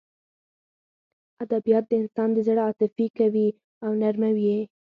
ادبیات د انسان زړه عاطفي کوي او نرموي یې